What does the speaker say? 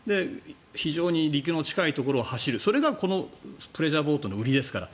非常に陸の近いところを走るこれがそのプレジャーボートの売りですから。